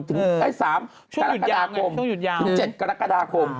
ถึงไอ้๓กรกฎาคม๗กรกฎาคม